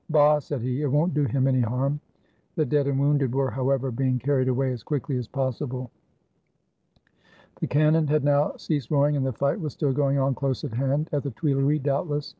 "Bah!" said he, "it won't do him any harm." The dead and wounded were, however, being carried away as quickly as possible. The cannon had now ceased roaring, and the fight was still going on close at hand — at the Tuileries doubt less.